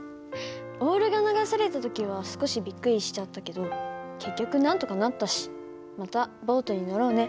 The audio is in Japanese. オールが流された時は少しびっくりしちゃったけど結局なんとかなったしまたボートに乗ろうね。